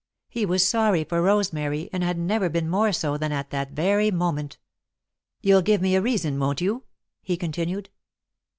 He was sorry for Rosemary and had never been more so than at that very moment. "You'll give me a reason, won't you?" he continued.